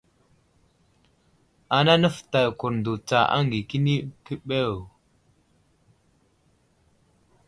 Ana nəfətay kurndo tsa aŋgay kəni keɓew.